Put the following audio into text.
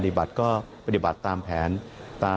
คิดว่าจะเข้ามาก็ได้จากท่านนี่แหละฮะ